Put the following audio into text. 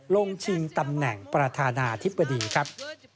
ชิงตำแหน่งประธานาธิบดีครับ